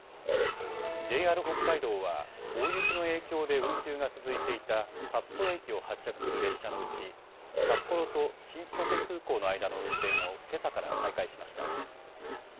ＪＲ北海道は大雪の影響で運休が続いていた札幌駅を発着する列車のうち札幌と新千歳空港の間の運転をけさから再開しました。